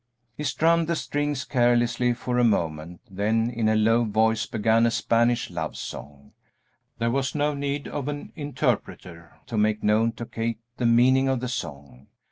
He strummed the strings carelessly for a moment, then, in a low voice, began a Spanish love song. There was no need of an interpreter to make known to Kate the meaning of the song.